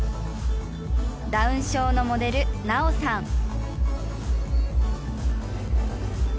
ダウン症のモデル菜桜さん。